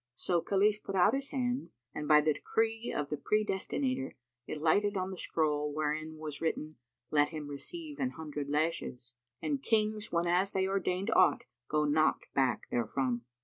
So Khalif put out his hand and by the decree of the Predestinator, it lighted on the scroll wherein was written, "Let him receive an hundred lashes," and Kings, whenas they ordain aught, go not back therefrom.